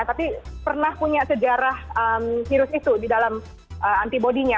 tapi pernah punya sejarah virus itu di dalam antibody nya